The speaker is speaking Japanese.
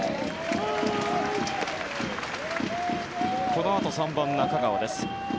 このあと３番、中川です。